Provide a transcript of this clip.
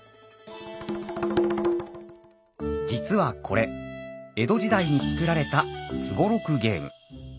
実はこれ江戸時代に作られた双六ゲーム。